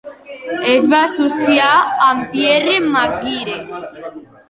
Es va associar amb Pierre McGuire.